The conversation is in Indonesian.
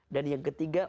dan yang ketiga